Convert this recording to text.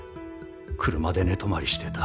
車で寝泊まりしてた。